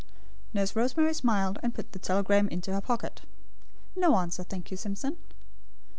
Nurse Rosemary smiled, and put the telegram into her pocket. "No answer, thank you, Simpson."